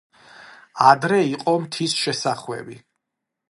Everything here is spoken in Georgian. ადრე იყო მთის შესახვევი.